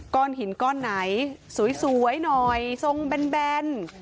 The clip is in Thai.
ก้อนหินก้อนไหนสวยหน่อยทรงแบน